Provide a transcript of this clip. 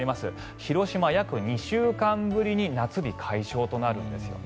広島、約２週間ぶりに夏日解消となるんですよね。